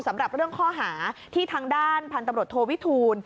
สำหรับเรื่องข้อหาที่ทางด้านพันธุ์ตำรวจโทวิทูล